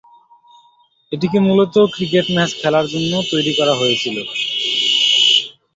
এটিকে মূলত cricket match খেলার জন্য তৈরি করা হয়েছিল।